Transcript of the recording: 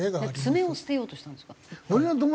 爪を捨てようとしたんですか？